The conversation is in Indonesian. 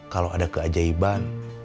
kalau ada keajaiban